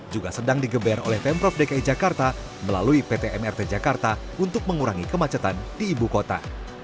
juga sedang digeber oleh pemprov dki jakarta melalui pt mrt jakarta untuk mengurangi kemacetan di ibu kota